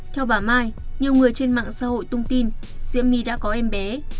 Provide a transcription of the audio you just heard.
theo bà mai nhiều người trên mạng xã hội tung tin diệm my đã có em bé